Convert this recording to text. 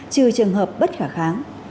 trừ trường hợp bất khả kháng